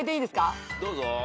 どうぞ。